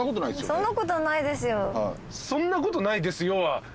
そんなことないですよ。